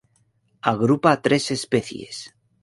Agrupa tres especies.